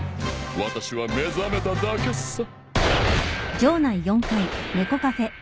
私は目覚めただけさ。